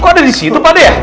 kok ada di situ pak de ya